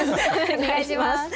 お願いします。